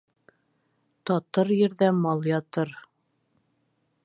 Татыр ерҙә мал ятыр.